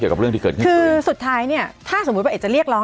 กับเรื่องที่เกิดขึ้นคือสุดท้ายเนี่ยถ้าสมมุติว่าเอกจะเรียกร้อง